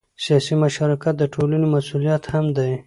سیاسي مشارکت د ټولنې مسؤلیت هم دی